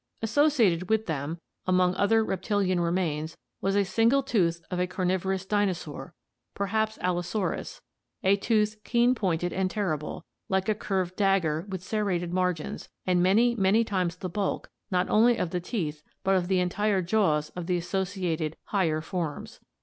Associated with them, among other reptilian remains, was a single tooth of a carnivorous dinosaur, perhaps Allosaurus, a tooth keen pointed and terrible, like a curved dagger with serrated margins, and many, many times the bulk, not only of the teeth but of the entire jaws of the associated "higher" forms.